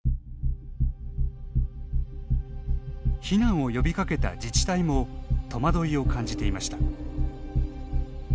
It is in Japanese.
避難を呼びかけた自治体もとまどいを感じていました。